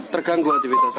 terganggu aktivitas warga